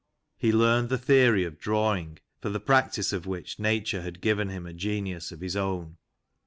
He learned the theory of drawing, for the practice of which Nature had given him a genius of his own.